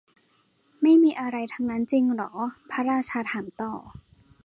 ไม่มีอะไรทั้งนั้นจริงเหรอ พระราชาถามต่อ